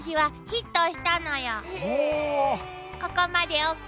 ここまでＯＫ？